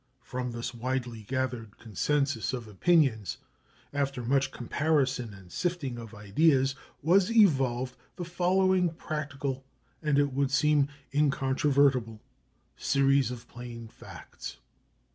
From this widely gathered consensus of opinions, after much comparison and sifting of ideas, was evolved the following practical, and it would seem incontrovertible, series of plain facts.